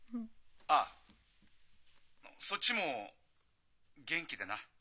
あっそっちも元気でな。